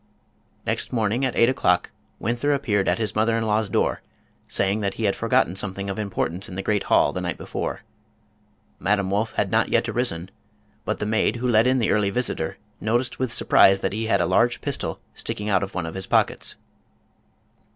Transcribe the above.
Next morning at eight o'clock Winther appeared at his 275 Scandinavian Mystery Stories mother in law's door, saying that he had forgotten some thing of importance in the great hall the night before. Madame Wolff had not yet arisen, but the maid who let in the early visitor noticed with surprise that he had a large pistol sticking out of one of his pockets.